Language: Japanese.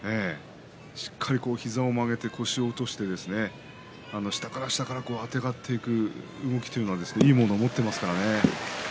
しっかり膝を曲げて腰を落として下から下からあてがってくるそういった動きはいいものを持っています。